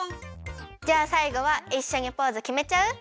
じゃあさいごはいっしょにポーズきめちゃう！？